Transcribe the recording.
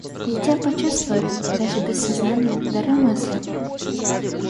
И те почувствуют, даже без сознания, дары мысли.